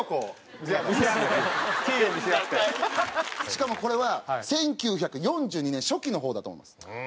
しかもこれは１９４２年初期の方だと思います。